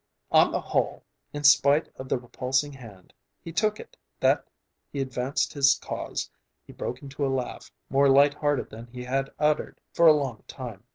On the whole, in spite of the repulsing hand, he took it that he had advanced his cause. He broke into a laugh, more light hearted than he had uttered for a long time.